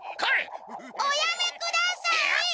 おやめください！でやっ！